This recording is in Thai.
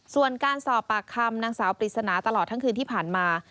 ส่วนการสอบปากคำนางสาวปริศนาตลอดทั้งคืนที่ผ่านมา